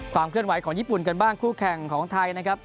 ความเคลื่อนไหวของญี่ปุ่นกันบ้างคู่แข่งของไทยนะครับ